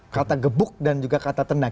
kata gebuk dan juga kata tendang